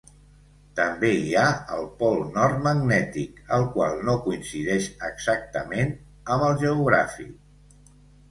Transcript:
També hi ha el Pol Nord Magnètic, el qual no coincidix exactament amb el geogràfic.